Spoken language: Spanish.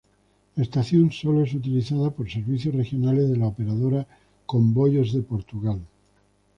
La estación solo es utilizada por servicios Regionales de la operadora Comboios de Portugal.